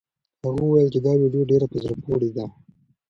هغه وویل چې دا ویډیو ډېره په زړه پورې ده.